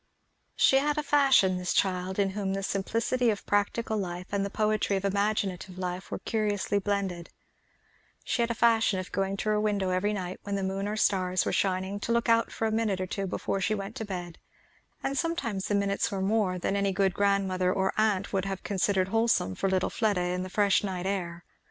She had a fashion, this child, in whom the simplicity of practical life and the poetry of imaginative life were curiously blended, she had a fashion of going to her window every night when the moon or stars were shining to look out for a minute or two before she went to bed; and sometimes the minutes were more than any good grandmother or aunt would have considered wholesome for little Fleda in the fresh night air.